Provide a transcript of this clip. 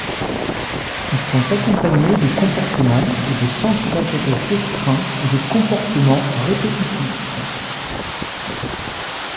Ils sont accompagnés de comportements et de centres d'intérêt restreints ou de comportements répétitifs.